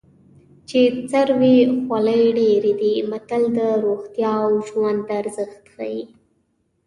چې سر وي خولۍ ډېرې دي متل د روغتیا او ژوند ارزښت ښيي